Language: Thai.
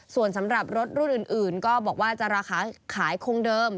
ส่วนสำหรับรถรุ่นอื่นก็บอกว่าจะราคาขายคงเดิม